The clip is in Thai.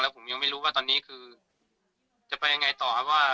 ผมยังไม่รู้ว่าตอนนี้คือจะไปยังไงต่อครับว่า